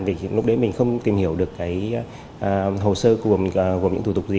vì lúc đấy mình không tìm hiểu được cái hồ sơ gồm những thủ tục gì